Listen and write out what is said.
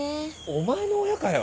お前の親かよ。